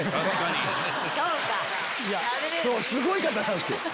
すごい方なんすよ。